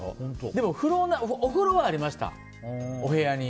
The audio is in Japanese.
でもお風呂はありましたお部屋に。